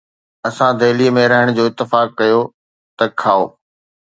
اسان دهليءَ ۾ رهڻ جو اتفاق ڪيو، ته کائو؟